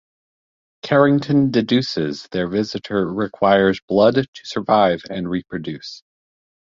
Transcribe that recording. Carrington deduces their visitor requires blood to survive and reproduce.